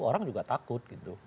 orang juga takut gitu